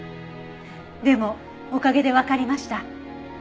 でもおかげでわかりました。